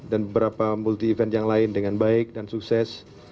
dan beberapa multi event yang lain dengan baik dan sukses